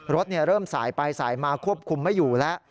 รถเริ่มสายไปสายมาควบคุมไม่อยู่แล้ว